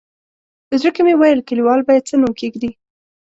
زړه کې مې ویل کلیوال به یې څه نوم کېږدي.